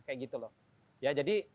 kayak gitu loh ya jadi